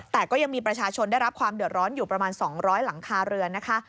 แต่ก็ยังมีประชาชนได้รับความเดือดร้อนอยู่ประมาณ๒๐๐หลังคาเรือนนะคะ